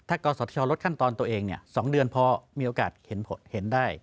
ถ้ากศชลดขั้นตอนตัวเอง๒เดือนพอมีโอกาสเห็นได้